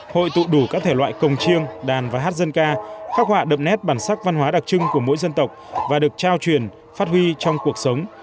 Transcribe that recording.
hội tụ đủ các thể loại cồng chiêng đàn và hát dân ca khắc họa đậm nét bản sắc văn hóa đặc trưng của mỗi dân tộc và được trao truyền phát huy trong cuộc sống